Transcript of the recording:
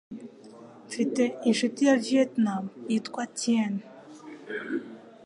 Mfite inshuti ya Vietnam. Yitwa Tiên.